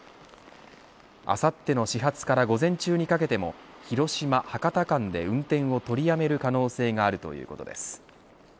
あさっての始発から午前中にかけても広島、博多間で運転を取りやめる可能性があるということです。